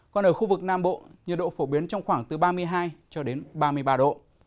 còn ở khu vực nam bộ nhiệt độ phổ biến trong khoảng từ ba mươi hai cho đến ba mươi ba độ